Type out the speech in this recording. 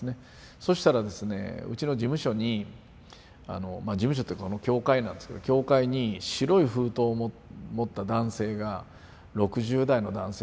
そしたらですねうちの事務所に事務所というか教会なんですけど教会に白い封筒を持った男性が６０代の男性